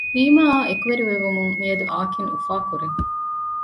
ރީމާ އާ އެކުވެރި ވެވުމުން މިއަދު އާކިން އުފާކުރޭ